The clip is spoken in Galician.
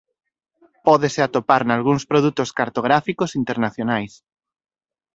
Pódese atopar nalgúns produtos cartográficos internacionais.